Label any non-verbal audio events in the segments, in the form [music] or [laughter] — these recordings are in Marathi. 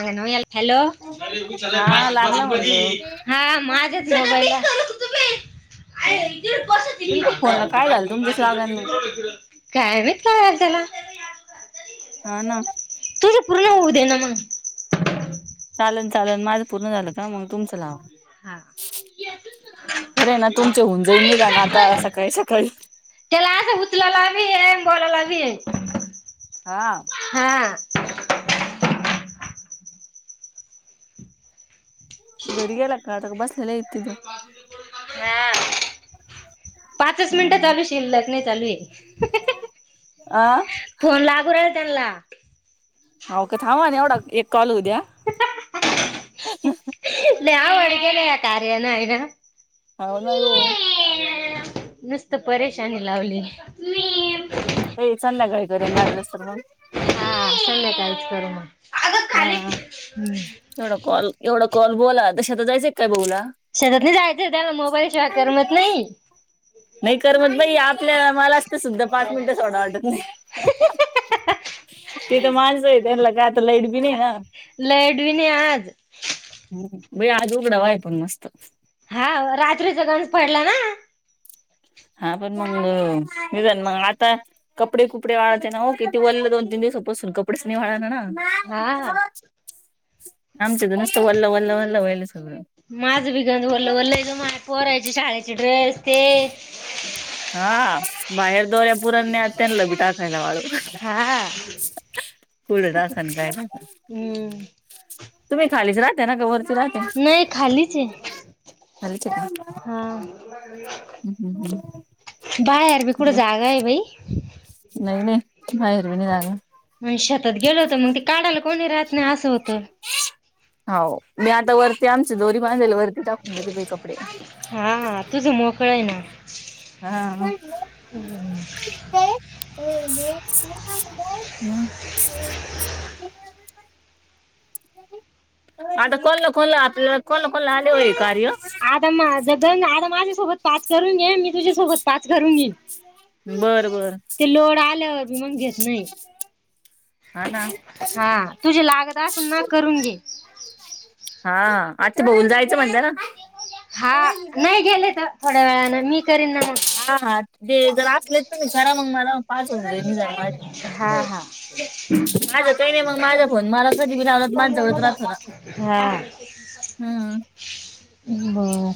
हॅलो हा लागला म्हणलं हा माझ्याच मोबाईला [unintelligible] तुमच्या फोनला काय झालं तुमच्याच लागा नाही काय माहित काय झालं त्याला हा ना तुझं पूर्य होऊ दे ना मग. चालन चालन माझं पूर्ण झालं का मग तुमचं लावा. हा बरे आहे ना तुमच्या होऊन जाईन नि जा ना आता सकाळी सकाळी. त्याला असं उचलेला बी हाय आणि बोलायला बी हाय. हा. हा. घरीे गेला का तर बस हा. पाचच मिनिटं चालवशील लग्न ही चालू ये. अ फोन लागू राहि त्यांनाला. हाव का थांबा ना एवढा एक कॉल उद्या लय अवगड केले या कार्या नाय गं. हाव ना गो. नुसतं परेशानी लावली. ते संध्याकाळी करयन लागलस तर मग. हा संध्याकाळीच कर मग. अगं हा खाली हम्म. एवढा कॉल एवढा कॉल बोला तशात जायचं काय बऊला? शेतात नाही जायचं त्याला मोबाईल शिवाय करमत नाही. नाही करमत बाई आपल्या मलाच तर सुद्धा पाच मिनट सोडा वाटत नाही. ते तर माणसं आहे त्यांला काय आता लाईट बी नाही ना. लाईट बी नाही आज. बई आज उघडा वा आहे पण मस्त. हा हो रात्रीचा गंज पडला ना. हा पण मग मी जाईन मंग आता. कपडे कुपडे वाढते ना किती वोले दोन, तीन दिवसपासून कपडेच नाही वाढणार ना. हा आमच्या ज नुसतं वल्ला वल्ला वल्ला व्हायलं सगळं. माझं बिगन ओल्लं ओल्लं आहे मा पोरायचे शाळेचे ड्रेस ते हा. बाहेर दौऱ्या पुरन्या त्यांना बी टाकायला वाळू हा कुड टाकन जायचा हम्म तुम्ही खालीच राहताना का वर? नाय खालीच आहे. खालीच. [unintelligible] हा हम्म हम्म बाहेर बी कुठं हम्म. जागा आहे बाई? नाही नाही बाहेर वी नाही जागा. मी शेतात गेलं होतं मग ते काढायला कोणी राहत नाही असं होतं. हाव मी आता वर ते आमची दोरी बांधाय ला वरती टाकून देत बाई कपडे. हा तुझं मोकळं आहे ना हा. हम्म. आता कोणलं कोणलं आपल्याला कोणला कोणला आले होई. कार्य आता मा जगन आता माझ्यासोबत पाच करून घे मी तुझ्यासोबत पाच करून घेईन. बरं बरं. ते लोड आल्यावर बी मंग घेत नाही. हा ना. हा तुझे लागत आसन म करून घे. हा आता बऊन जायचं म्हणता ना. हा नाही गेले तर थोड्या वेळाने मी करीन ना मग. हा हा दे जर असले तुम्ही करा मग मला पाच होऊन दे मी जरा बाहेर हा हा. हा. काही नाही मग माझा फोन मला कधी बी लावला तर माझ जवळच राहतो ना हम्म. बर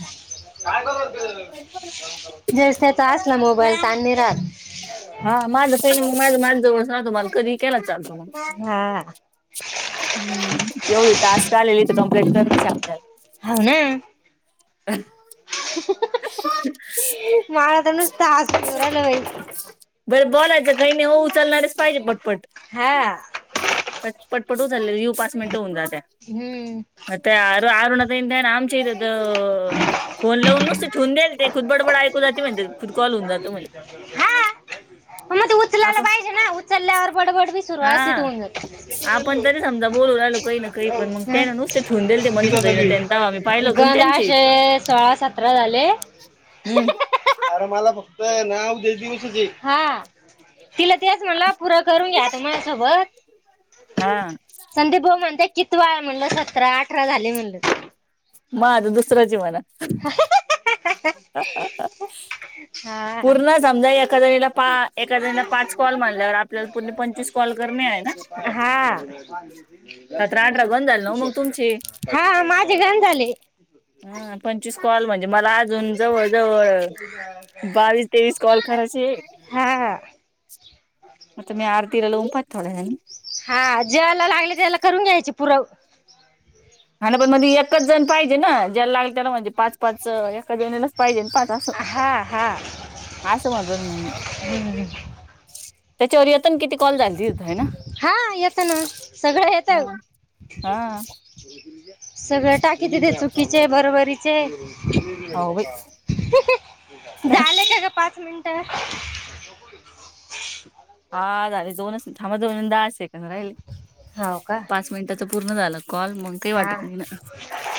ज त्याचा असला मोबाईल छान नाही राहात. हा माझ माझ माझ्या जवळ [unintelligible] मला कधी केला चालतो मग हा हम तेवढी टास्क आलेली तर कमप्लीट करनच आपल्याला. होव ना अ [inaudible] मला तर नुसता हासू ऐऊ राहीलं बाई. बरं बोलायचं काही नाही हो उचलणारेच पाहिजे पटपट. हां प पटपट उचलणारे तु पाच मिनिटं होऊन जाते. हम्म त्या अर अरुणा ताई या ना आमच्या इथ फोन लावून नसते ठेवून द्याला‌ ते खूद बडबड ऐकू जाते म्हणे. खुद कॉल होऊन जातो हां मग मग त उचलायला आपण पाहिजे ना उचलल्यावर बडबड बी सुरू असली तर हा होऊन जात. आपण तरी समजा बोलू राहिलो काही ना काही पण मग त्याने नुसते ठेवून दिले ते मनीषा ताईनं त्यानं तवा मी पाहिलं [unintelligible] होतं ना गंद त्यांचे अशे सोळा सतरा झाले. हम्म अरे मला फक्त नाव देश दिवसाचे तिला तेच म्हणला पुरा करून घ्याता माझ्या सोबत. हां संदीप भाऊ म्हणते कितवा म्हणलं सतरा अठरा झाली म्हणलं. माझा दुसऱ्याचय म्हणा. हा पूर्ण समजा एका जणीला एका जणीला पाच कॉल मानल्यावर आपल्याला पूर्ण पंचवीस कॉल करणे आहे ना. हां सतरा अठरा गण झाले ना मग तुमचे हा माझे घण झाले हा पंचवीस कॉल म्हणजे मला अजून जवळ जवळ बावीस तेवीस कॉल करायची हा आता मी आरतीला लाऊन पाहते थोडा वेळाने हा ज्याला लागले त्याला करून घ्यायचे पुरव ह पण मध्ये एकच जण पाहिजे ना ज्याला लागल त्याला म्हणजे पाच पाच एका जणीलाच पाहिजे पाच असं. हा हा आसं वाजल ममी. हम्म. त्याच्यावर येत ना किती कॉल झाल त हो आहे ना हा येतं ना सगळं येतं हां सगळं टाकी तिथे चुकीचे बरोबरीचे. हो बाई झालं का का पाच मिनिटं हा झाले दोनच थांबा दोन दहा सेकड राहिले हो का पाच मिनिटं त्या पूर्ण झाल कॉल मग काही हा वाटत नाही ना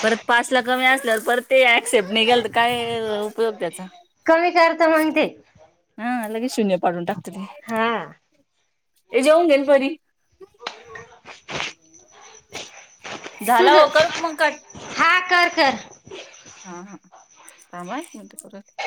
परत पाच ला कमी असल्यावर पर ते ऍक्सेप्ट निघाल तर काय उपयोग त्याचा कमी करत मग ते. हा लगेच शून्य पाडून टाकत ते हा ते जेऊन घेल परी. तुझ झाला हो करू का मग कट? हा कर कर हा हा सांय मण कर [unintelligible]